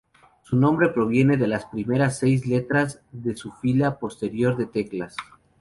Su nombre proviene de las primeras seis letras de su fila superior de teclas.